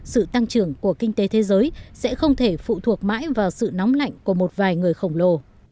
sự tăng trưởng của kinh tế thế giới sẽ không thể phụ thuộc mãi vào sự nóng lạnh của một vài người khổng lồ